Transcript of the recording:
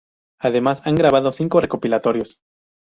Además han grabado cinco recopilatorios.